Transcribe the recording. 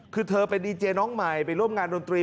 คือเธอเป็นดีเจน้องใหม่ไปร่วมงานดนตรี